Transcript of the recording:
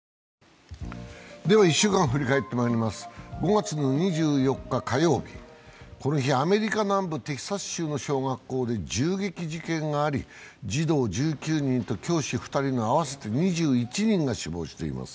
５月の２４日火曜日、この日、アメリカ南部テキサス州の小学校で銃撃事件があり、児童１９人と教師２人の合わせて２１人が死亡しています。